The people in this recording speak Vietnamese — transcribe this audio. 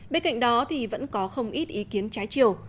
bên cạnh đó thì vẫn có không ít ý kiến trái chiều